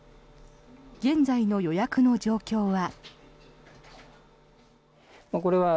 現在の予約の状況は。